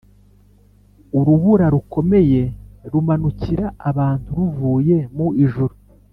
Urubura rukomeye rumanukira abantu ruvuye mu ijuru,